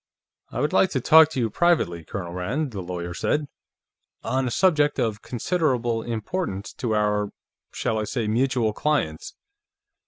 "I would like to talk to you privately, Colonel Rand," the lawyer said. "On a subject of considerable importance to our, shall I say, mutual clients.